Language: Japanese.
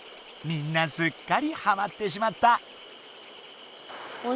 みんなすっかりハマってしまった。